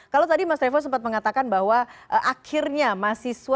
kalau tadi mas revo sempat mengatakan bahwa akhirnya mahasiswa